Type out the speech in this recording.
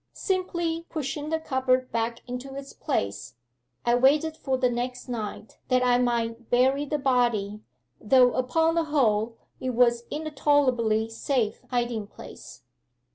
Simply pushing the cupboard back into its place, I waited for the next night that I might bury the body, though upon the whole it was in a tolerably safe hiding place.